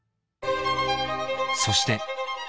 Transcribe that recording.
［そして］